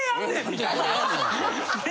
みたいな。